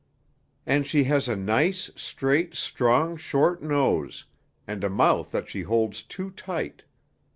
"And she has a nice, straight, strong, short nose, and a mouth that she holds too tight.